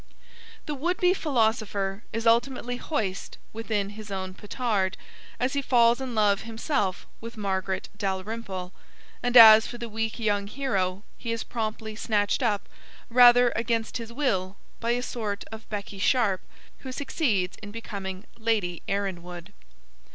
The would be philosopher is ultimately hoist with his own petard, as he falls in love himself with Margaret Dalrymple, and as for the weak young hero he is promptly snatched up, rather against his will, by a sort of Becky Sharp, who succeeds in becoming Lady Erinwood.